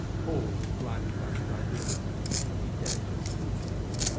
Paul was blinded by his idealism, and he dared to speak.